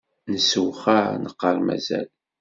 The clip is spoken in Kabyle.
Nessewxar neqqar mazal.